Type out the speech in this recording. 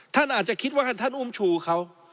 ท่านอาจจะคิดว่าท่านอุ้มชูเขา